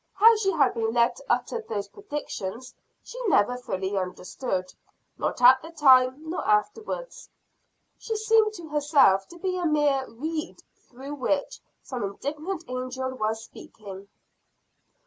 How she had been led to utter those predictions she never fully understood not at the time nor afterwards. She seemed to herself to be a mere reed through which some indignant angel was speaking.